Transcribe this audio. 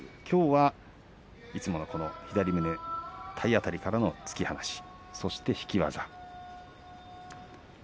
きょうは、いつもの体当たりからの突き放しそして引き技。